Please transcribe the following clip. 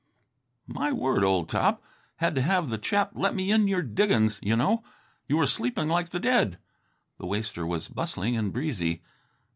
"My word, old top, had to have the chap let me into your diggin's you know. You were sleeping like the dead." The waster was bustling and breezy.